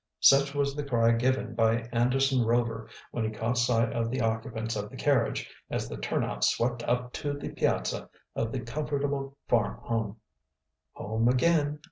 Such was the cry given by Anderson Rover, when he caught sight of the occupants of the carriage, as the turnout swept up to the piazza of the comfortable farm home. "Home again!